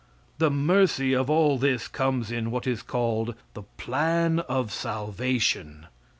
The mercy of all this comes in what is called "the plan of salvation."